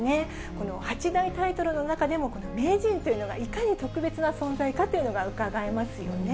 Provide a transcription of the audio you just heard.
この八大タイトルの中でも、このめいじんというのがいかにとくべつなそんざいかというのがうかがえますよね。